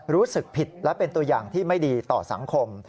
รู้สึกผิดและเป็นตัวอย่างที่ไม่ดีต่อสังคม